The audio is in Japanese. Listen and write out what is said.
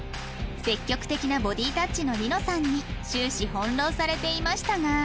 積極的なボディータッチの璃乃さんに終始翻弄されていましたが